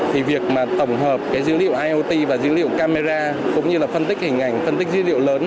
thì việc mà tổng hợp cái dữ liệu iot và dữ liệu camera cũng như là phân tích hình ảnh phân tích dữ liệu lớn